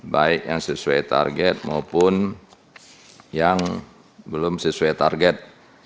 baik yang sesuai target maupun yang belum sesuai target